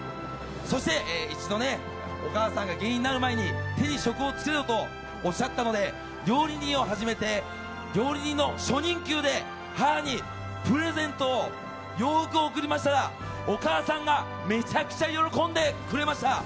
そして一度、お母さんが芸人になる前に手に職をつけろとおっしゃったので料理人を始めて料理人の初任給で母にプレゼントの洋服を贈りましたらお母さんがめちゃくちゃ喜んでくれました。